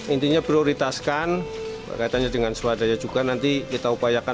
intinya prioritaskan kaitannya dengan swadaya juga nanti kita upayakan